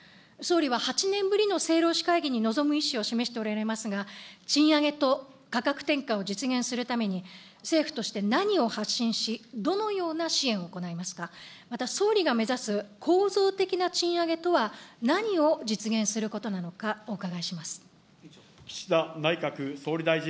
総理は８年ぶりの政労使会議に臨む意思を示しておられますが、賃上げと価格転嫁を実現するために、政府として何を発信し、どのような支援を行いますか、また、総理が目指す構造的な賃上げとは何を実現することなのか、お伺いします。